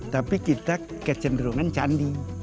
tapi kita kecenderungan candi